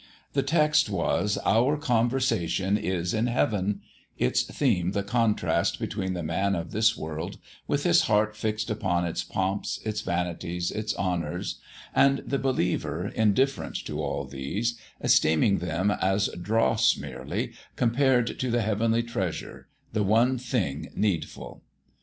The text was "Our conversation is in Heaven," its theme the contrast between the man of this world, with his heart fixed upon its pomps, its vanities, its honours, and the believer indifferent to all these, esteeming them as dross merely compared to the heavenly treasure, the one thing needful.